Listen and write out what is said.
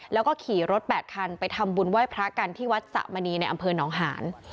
แล้วก็ขี่รถ๘คันไปทำบุญไหว้พระกันที่วัดสะมณีในอำเภอหนองหาน